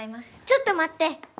ちょっと待って！